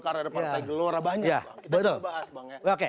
karena ada partai gelora banyak